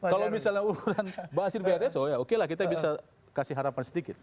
kalau misalnya urusan baasir brso ya okelah kita bisa kasih harapan sedikit